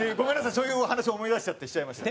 そういう話を思い出しちゃってしちゃいました。